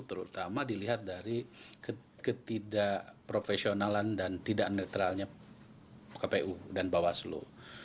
terutama dilihat dari ketidakprofesionalan dan tidak netralnya kpu dan bawaslu